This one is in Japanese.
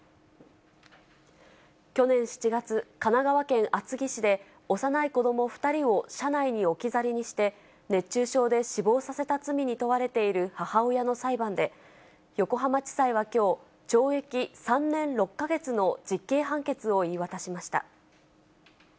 去年７月、神奈川県厚木市で、幼い子ども２人を車内に置き去りにして、熱中症で死亡させた罪に問われている母親の裁判で、横浜地裁はきょう、懲役３年６か月の実刑判決を言い渡しました。